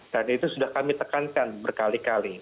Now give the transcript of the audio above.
dan itu sudah kami tekankan berkali kali